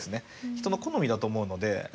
人の好みだと思うので。